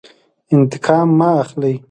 انتقام مه اخلئ